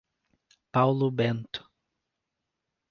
Paulo Bento